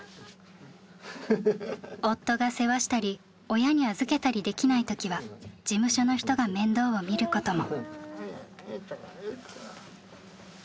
夫が世話したり親に預けたりできない時は事務所の人が面倒を見ることも。